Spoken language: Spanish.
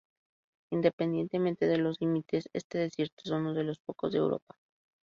Independientemente de los límites, este desierto es uno de los pocos de Europa.